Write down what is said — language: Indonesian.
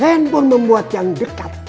handphone membuat yang dekat